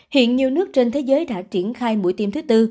hiện nhiều nước trên thế giới đã triển khai mũi tiêm thứ tư